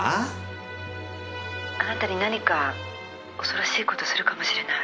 「あなたに何か恐ろしい事するかもしれない」